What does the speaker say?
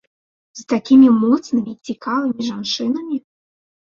З такімі моцнымі, цікавымі жанчынамі?